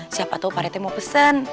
siapa tuh pak rt mau pesen